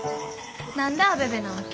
何でアベベなわけ？